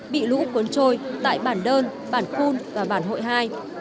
bị lũ cuốn trôi tại bản đơn bản phun và bản hội hai